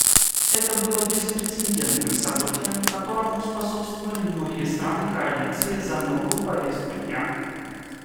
Это было беспрецедентным событием, которому способствовали многие страны Коалиции за новую повестку дня.